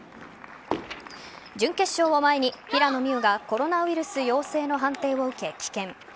準決勝を前に平野美宇がコロナウイルス陽性の判定を受け棄権。